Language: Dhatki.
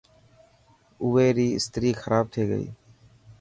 اوي ري استري کراب ٿي گئي.